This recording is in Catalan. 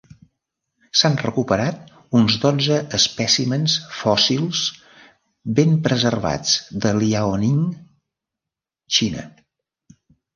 S'han recuperat uns dotze espècimens fòssils ben preservats de Liaoning, Xina.